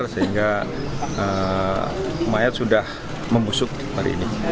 sehingga mayat sudah membusuk hari ini